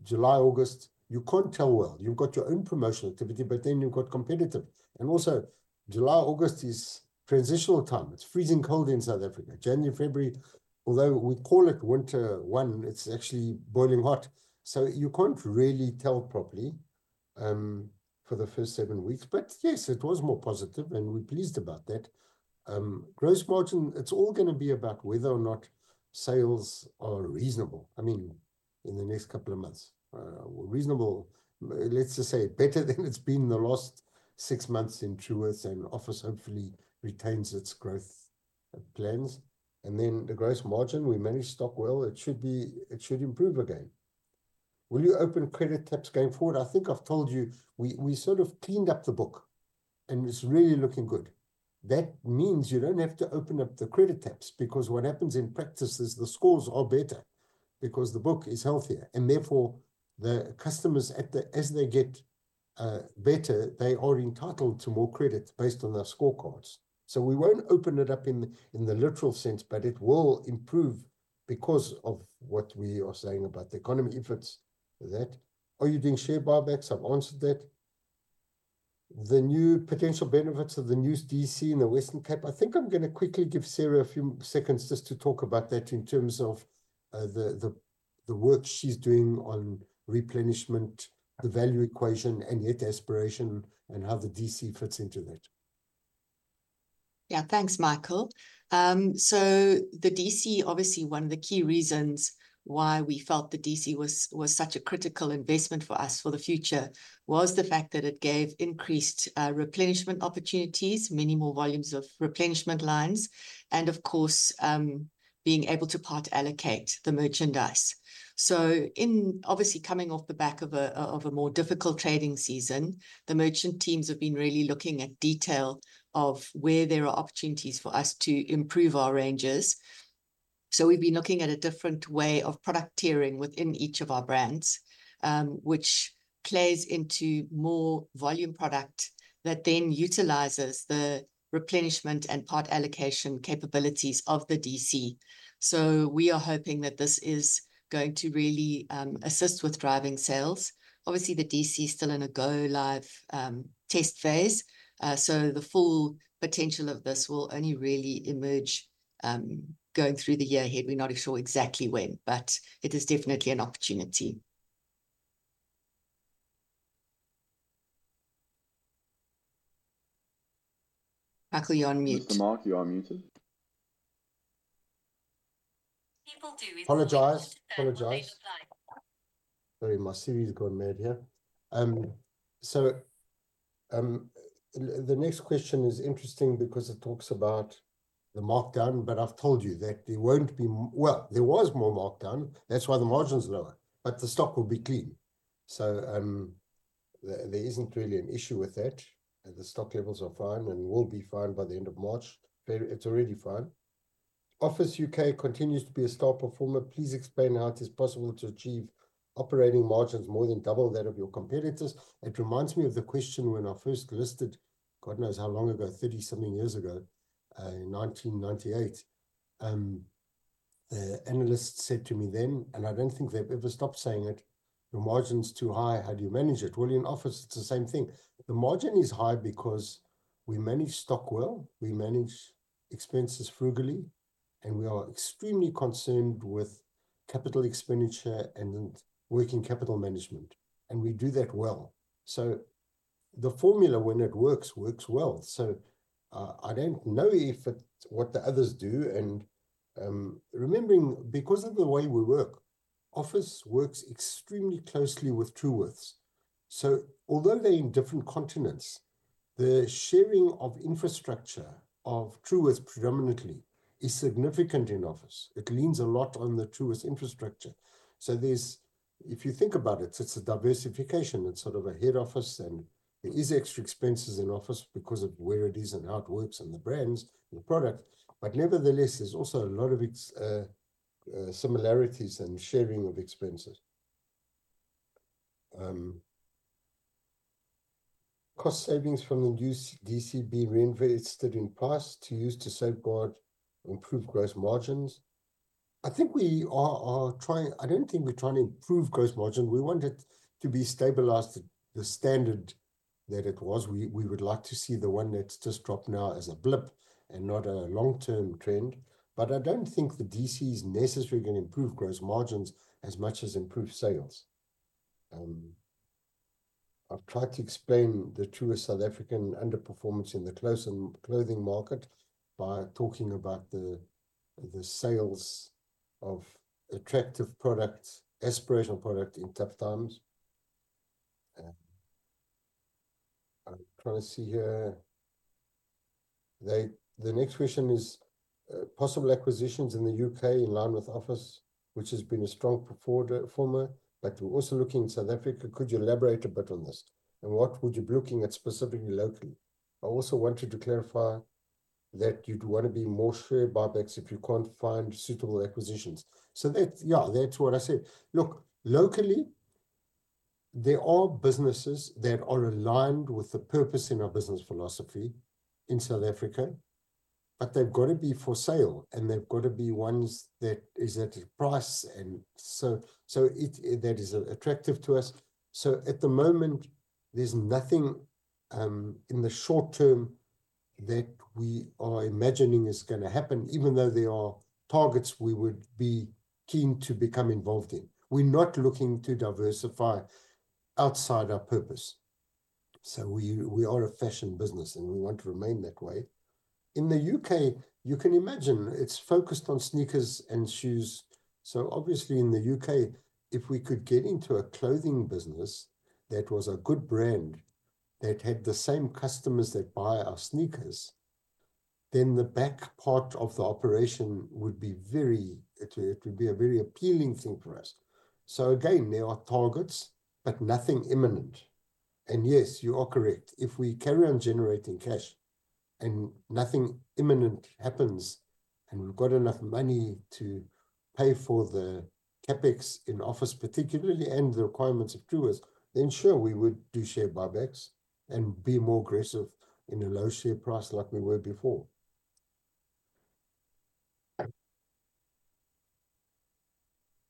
Speaker 2: July, August, you can't tell well. You've got your own promotional activity, but then you've got competitive. Also, July, August is transitional time. It's freezing cold in South Africa. January, February, although we call it winter one, it's actually boiling hot. You can't really tell properly for the first seven weeks. Yes, it was more positive and we're pleased about that. Gross margin, it's all going to be about whether or not sales are reasonable. I mean, in the next couple of months, reasonable, let's just say better than it's been the last six months in Truworths and Office hopefully retains its growth plans. The gross margin, we managed to stock well, it should improve again. Will you open credit taps going forward? I think I've told you we sort of cleaned up the book and it's really looking good. That means you don't have to open up the credit taps because what happens in practice is the scores are better because the book is healthier. Therefore, the customers, as they get better, they are entitled to more credit based on their scorecards. We won't open it up in the literal sense, but it will improve because of what we are saying about the economy if it's that. Are you doing share buybacks? I've answered that. The new potential benefits of the new DC in the Western Cape, I think I'm going to quickly give Sarah a few seconds just to talk about that in terms of the work she's doing on replenishment, the value equation, and yet aspiration and how the DC fits into that.
Speaker 1: Yeah, thanks, Michael. The DC, obviously one of the key reasons why we felt the DC was such a critical investment for us for the future was the fact that it gave increased replenishment opportunities, many more volumes of replenishment lines, and of course, being able to part allocate the merchandise. Obviously, coming off the back of a more difficult trading season, the merchant teams have been really looking at detail of where there are opportunities for us to improve our ranges. We have been looking at a different way of product tiering within each of our brands, which plays into more volume product that then utilizes the replenishment and part allocation capabilities of the DC. We are hoping that this is going to really assist with driving sales. Obviously, the DC is still in a go live test phase. The full potential of this will only really emerge going through the year ahead. We are not sure exactly when, but it is definitely an opportunity. Michael, you are on mute. Mr. Mark, you are on mute. People do. Apologize. Sorry, my CV has gone mad here. The next question is interesting because it talks about the markdown, but I've told you that there won't be more, well, there was more markdown. That's why the margin is lower, but the stock will be clean. So there isn't really an issue with that. The stock levels are fine and will be fine by the end of March. It's already fine. Office U.K. continues to be a star performer. Please explain how it is possible to achieve operating margins more than double that of your competitors. It reminds me of the question when I first listed, God knows how long ago, 30 something years ago, in 1998. The analyst said to me then, and I don't think they've ever stopped saying it, your margin is too high. How do you manage it? In Office, it's the same thing. The margin is high because we manage stock well, we manage expenses frugally, and we are extremely concerned with capital expenditure and working capital management. We do that well. The formula, when it works, works well. I do not know if it is what the others do. Remembering, because of the way we work, Office works extremely closely with Truworths. Although they are in different continents, the sharing of infrastructure of Truworths predominantly is significant in Office. It leans a lot on the Truworths infrastructure. If you think about it, it is a diversification. It is sort of a head office and there are extra expenses in Office because of where it is and how it works and the brands and the product. Nevertheless, there are also a lot of similarities and sharing of expenses. Cost savings from the new DC being reinvested in past to use to safeguard improved gross margins. I think we are trying, I don't think we're trying to improve gross margin. We want it to be stabilized to the standard that it was. We would like to see the one that's just dropped now as a blip and not a long-term trend. I don't think the DC is necessarily going to improve gross margins as much as improve sales. I've tried to explain the true South African underperformance in the clothing market by talking about the sales of attractive products, aspirational products in tough times. I'm trying to see here. The next question is possible acquisitions in the U.K. in line with Office, which has been a strong performer, but we're also looking in South Africa. Could you elay-byate a bit on this? What would you be looking at specifically locally? I also wanted to clarify that you'd want to do more share buybacks if you can't find suitable acquisitions. Yes, that's what I said. Look, locally, there are businesses that are aligned with the purpose and our Business Philosophy in South Africa, but they've got to be for sale and they've got to be ones that are at a price that is attractive to us. At the moment, there's nothing in the short term that we are imagining is going to happen, even though there are targets we would be keen to become involved in. We're not looking to diversify outside our purpose. We are a fashion business and we want to remain that way. In the U.K., you can imagine it's focused on sneakers and shoes. Obviously in the U.K., if we could get into a clothing business that was a good brand that had the same customers that buy our sneakers, the back part of the operation would be a very appealing thing for us. Again, there are targets, but nothing imminent. Yes, you are correct. If we carry on generating cash and nothing imminent happens and we have enough money to pay for the CapEx in Office particularly and the requirements of Truworths, then sure, we would do share buybacks and be more aggressive in a low share price like we were before.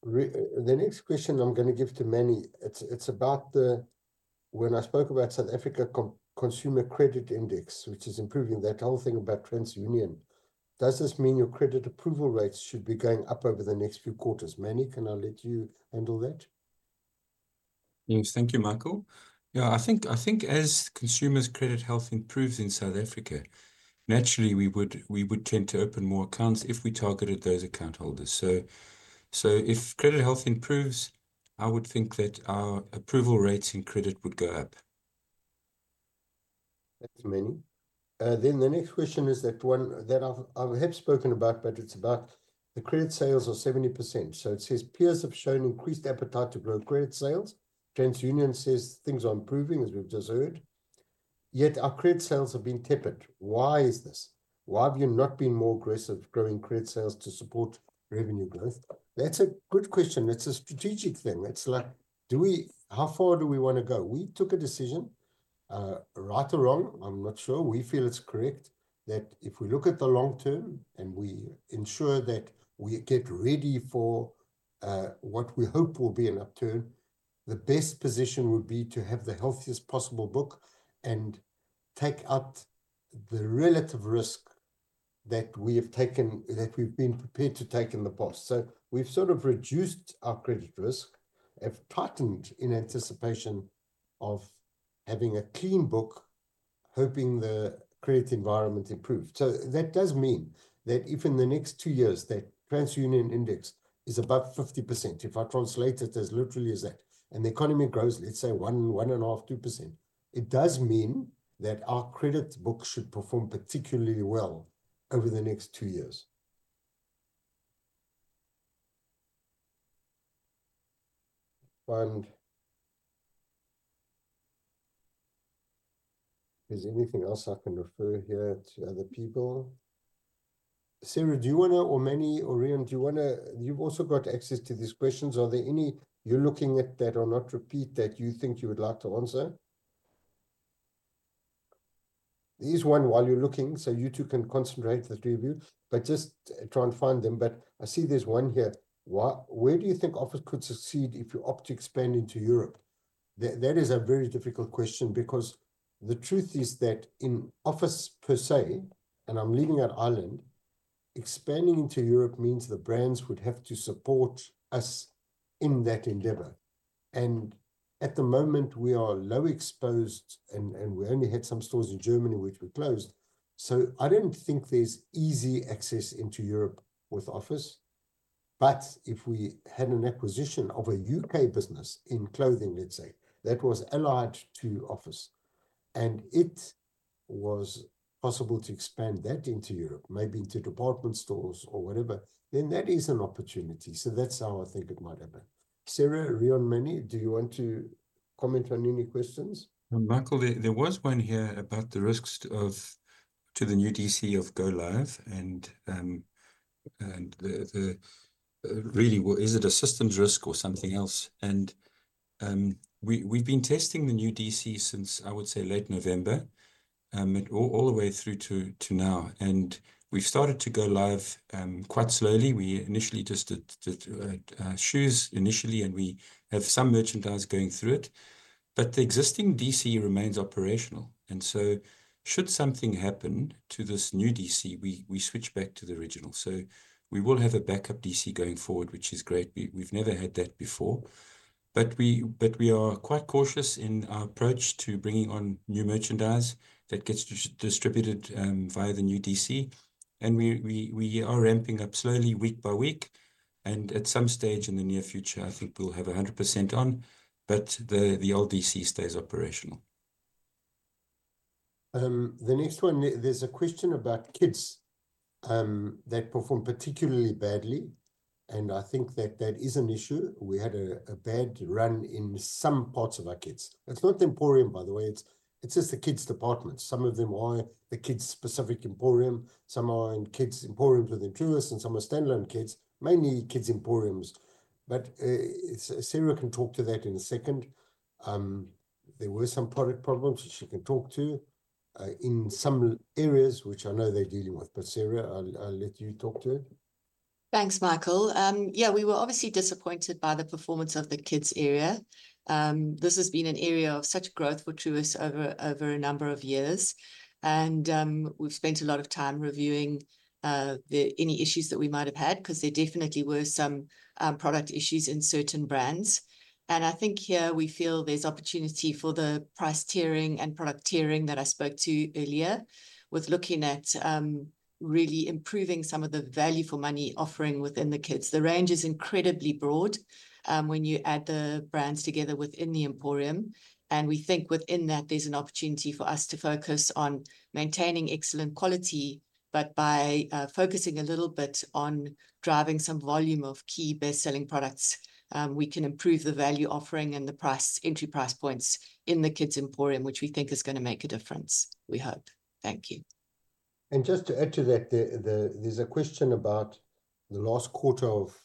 Speaker 1: The next question I am going to give to Mannie, it is about the, when I spoke about South Africa Consumer Credit Index, which is improving that whole thing about TransUnion. Does this mean your credit approval rates should be going up over the next few quarters? Mannie, can I let you handle that?
Speaker 3: Yes, thank you, Michael. Yeah, I think as consumers' credit health improves in South Africa, naturally we would tend to open more accounts if we targeted those account holders. If credit health improves, I would think that our approval rates in credit would go up.
Speaker 1: Thanks, Mannie. The next question is that one that I have spoken about, but it's about the credit sales are 70%. It says peers have shown increased appetite to grow credit sales. TransUnion says things are improving, as we've just heard. Yet our credit sales have been tepid. Why is this? Why have you not been more aggressive growing credit sales to support revenue growth? That's a good question. It's a strategic thing. It's like, do we, how far do we want to go? We took a decision, right or wrong, I'm not sure. We feel it's correct that if we look at the long term and we ensure that we get ready for what we hope will be an upturn, the best position would be to have the healthiest possible book and take out the relative risk that we have taken, that we've been prepared to take in the past. We have sort of reduced our credit risk, have tightened in anticipation of having a clean book, hoping the credit environment improves. That does mean that if in the next two years that TransUnion Index is above 50%, if I translate it as literally as that, and the economy grows, let's say 1-1.5-2%, it does mean that our credit books should perform particularly well over the next two years. Is there anything else I can refer here to other people? Sarah, do you want to, or Mannie, or Reon, do you want to, you've also got access to these questions. Are there any you're looking at that or not repeat that you think you would like to answer? There's one while you're looking, so you two can concentrate, the three of you, just try and find them. I see there's one here. Why? Where do you think Office could succeed if you opt to expand into Europe? That is a very difficult question because the truth is that in Office per se, and I'm leaving out Ireland, expanding into Europe means the brands would have to support us in that endeavor. At the moment, we are low exposed and we only had some stores in Germany which were closed. I don't think there's easy access into Europe with Office. If we had an acquisition of a U.K. business in clothing, let's say, that was allied to Office, and it was possible to expand that into Europe, maybe into department stores or whatever, that is an opportunity. That's how I think it might happen. Sarah, Reon, Mannie, do you want to comment on any questions?
Speaker 3: Michael, there was one here about the risks to the new DC of Go Live and really what is it, a systems risk or something else? We have been testing the new DC since, I would say, late November all the way through to now. We have started to go live quite slowly. We initially just did shoes initially and we have some merchandise going through it. The existing DC remains operational. Should something happen to this new DC, we switch back to the original. We will have a backup DC going forward, which is great. We have never had that before. We are quite cautious in our approach to bringing on new merchandise that gets distributed via the new DC. We are ramping up slowly week by week. At some stage in the near future, I think we'll have 100% on. The old DC stays operational.
Speaker 1: The next one, there's a question about kids that perform particularly badly. I think that is an issue. We had a bad run in some parts of our kids. It's not the Emporium, by the way. It's just the kids' departments. Some of them are the kids' specific Emporium. Some are Kids' Emporiums within Truworths and some are standalone kids, Kids' Emporiums. sarah can talk to that in a second. There were some product problems which she can talk to in some areas which I know they're dealing with. Sarah, I'll let you talk to it.
Speaker 4: Thanks, Michael. Yeah, we were obviously disappointed by the performance of the kids' area. This has been an area of such growth for Truworths over a number of years. We've spent a lot of time reviewing any issues that we might have had because there definitely were some product issues in certain brands. I think here we feel there's opportunity for the price tiering and product tiering that I spoke to earlier with looking at really improving some of the value for money offering within the kids. The range is incredibly broad when you add the brands together within the Emporium. We think within that there's an opportunity for us to focus on maintaining excellent quality, but by focusing a little bit on driving some volume of key best-selling products, we can improve the value offering and the entry price points in Kids' Emporium, which we think is going to make a difference, we hope. Thank you.
Speaker 1: Just to add to that, there's a question about the last quarter of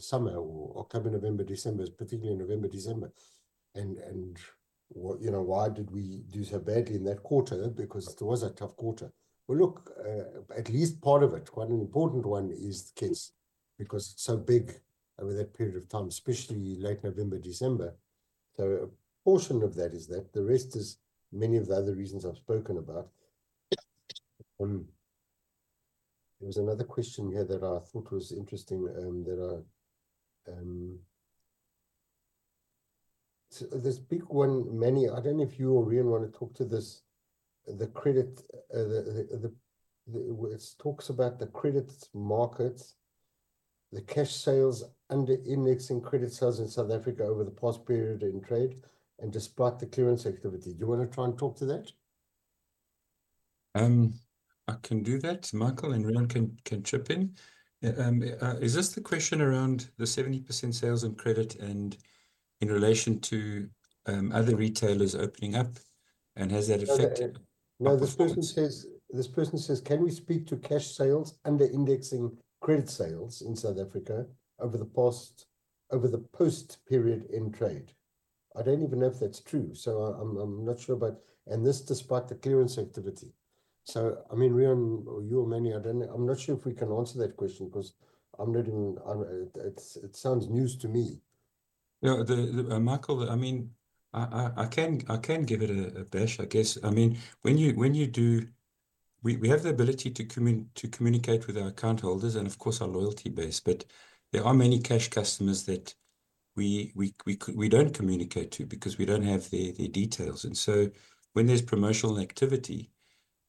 Speaker 1: summer, or October, November, December, particularly November, December. What you know, why did we do so badly in that quarter? It was a tough quarter. At least part of it, quite an important one, is the kids because it's so big over that period of time, especially late November, December. A portion of that is that. The rest is many of the other reasons I've spoken about. There was another question here that I thought was interesting that I, there's a big one, Mannie. I don't know if you or Reon want to talk to this. The credit, it talks about the credit markets, the cash sales under-indexing credit sales in South Africa over the past period in trade and despite the clearance activity. Do you want to try and talk to that?
Speaker 3: I can do that. Michael and Reon can chip in. Is this the question around the 70% sales in credit and in relation to other retailers opening up? Has that affected?
Speaker 1: No, this person says, this person says, can we speak to cash sales under-indexing credit sales in South Africa over the past, over the post-period in trade? I do not even know if that is true. I am not sure about, and this despite the clearance activity. I mean, Reon, or you or Mannie, I do not know. I am not sure if we can answer that question because I am not in, it sounds news to me.
Speaker 3: No, Michael, I mean, I can give it a bash, I guess. I mean, when you do, we have the ability to communicate with our account holders and of course our loyalty base, but there are many cash customers that we don't communicate to because we don't have the details. When there's promotional activity,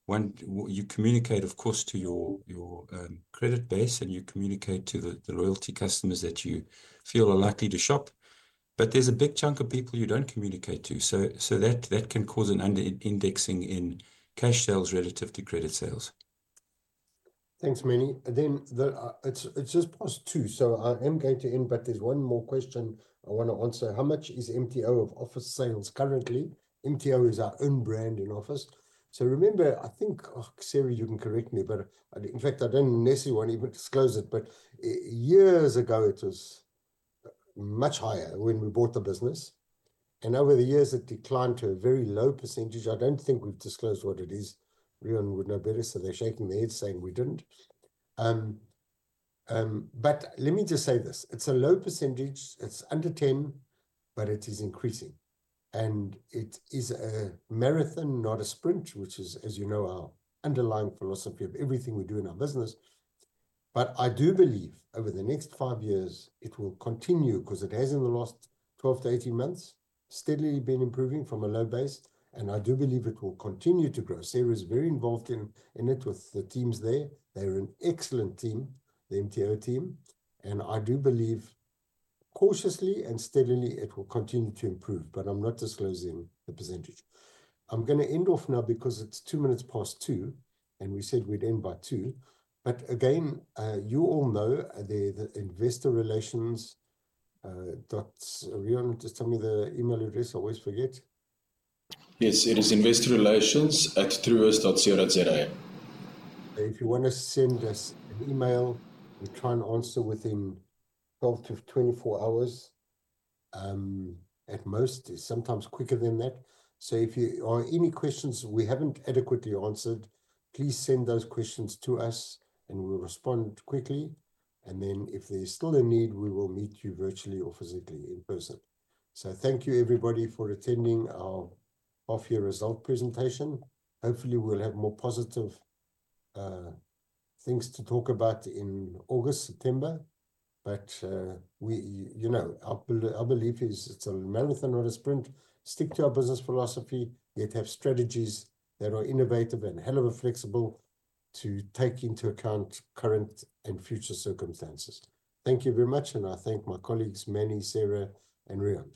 Speaker 3: you communicate, of course, to your credit base and you communicate to the loyalty customers that you feel are likely to shop, but there's a big chunk of people you don't communicate to. That can cause an under-indexing in cash sales relative to credit sales.
Speaker 1: Thanks, Mannie. It is just past two, so I am going to end, but there's one more question I want to answer. How much is MTO of Office sales currently? MTO is our own brand in Office. Remember, I think, Sarah, you can correct me, but in fact, I do not necessarily want to even disclose it, but years ago it was much higher when we bought the business. Over the years, it declined to a very low percentage. I do not think we have disclosed what it is. Reon would know better. They are shaking their heads saying we did not. Let me just say this. It is a low percentage. It is under 10%, but it is increasing. It is a marathon, not a sprint, which is, as you know, our underlying philosophy of everything we do in our business. I do believe over the next five years, it will continue because it has in the last 12 to 18 months steadily been improving from a low base. I do believe it will continue to grow. Sarah is very involved in it with the teams there. They're an excellent team, the MTO team. I do believe cautiously and steadily, it will continue to improve, but I'm not disclosing the percentage. I'm going to end off now because it's two minutes past two, and we said we'd end by two. Again, you all know the investor relations. Reon, just tell me the email address. I always forget.
Speaker 5: Yes, it is investorrelations@truworths.co.za.
Speaker 1: If you want to send us an email, we'll try and answer within 12 to 24 hours at most, sometimes quicker than that. If you have any questions we haven't adequately answered, please send those questions to us and we'll respond quickly. If there's still a need, we will meet you virtually or physically in person. Thank you everybody for attending our half year result presentation. Hopefully we'll have more positive things to talk about in August, September. Our belief is it's a marathon or a sprint. Stick to our Business Philosophy, yet have strategies that are innovative and hell of a flexible to take into account current and future circumstances. Thank you very much. I thank my colleagues, Mannie, Sarah, and Reon.